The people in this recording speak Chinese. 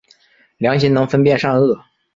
良心能分辨善恶。